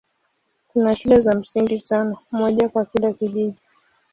Kuna shule za msingi tano, moja kwa kila kijiji.